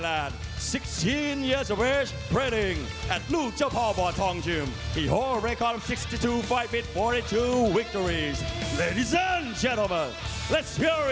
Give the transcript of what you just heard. หลายปีก่อนที่ลูกเจ้าพ่อบอทองที่พิษสนุนที่๖๒มิตรและ๔๒มิตร